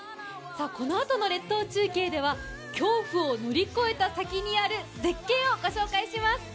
このあとの列島中継では、恐怖を乗り越えた先にある絶景を御紹介します。